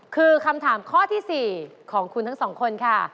คือคำถามข้อที่๔ของคุณทั้งสองคนค่ะ